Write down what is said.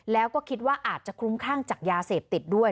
แล้วก็คิดว่าอาจจะคลุ้มคลั่งจากยาเสพติดด้วย